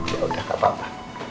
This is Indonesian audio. yaudah gak apa apa